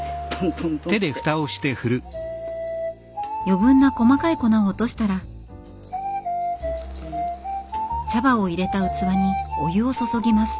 余分な細かい粉を落としたら茶葉を入れた器にお湯を注ぎます。